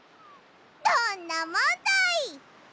どんなもんだい！